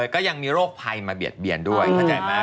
ก็ยังมีโรคภัยมาเบียดเบียนด้วยเข้าใจไหม